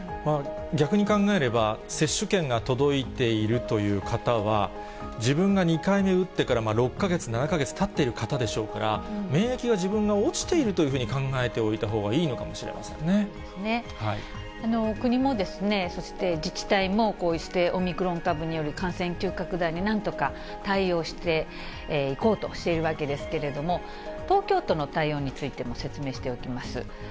逆に考えれば、接種券が届いているという方は、自分が２回目打ってから６か月、７か月たっている方でしょうから、免疫が自分は落ちているというふうに考えておいたほうがいいのか国もそして自治体も、こうしてオミクロン株による感染急拡大になんとか対応していこうとしているわけですけれども、東京都の対応についても説明しておきます。